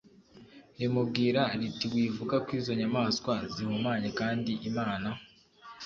Riramubwira riti wivuga ko izo nyamaswa zihumanye kandi imana